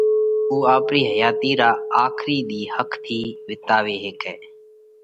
اُو آپرِي حياتِي را آکرِي ۮِي ۿک ٿِي وِيتاوي هيڪئہ۔